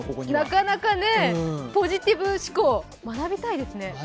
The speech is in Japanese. なかなかねポジティブ思考学んでいきたいですね。